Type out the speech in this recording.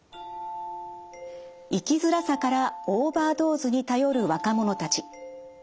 生きづらさからオーバードーズに頼る若者たち。